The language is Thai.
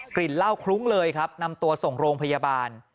ลิ่นเหล้าคลุ้งเลยครับนำตัวส่งโรงพยาบาล